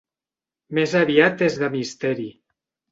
Més aviat és de misteri.